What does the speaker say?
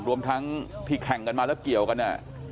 รวมทั้งที่แข่งกันมาแล้วเกี่ยวกันเนี่ย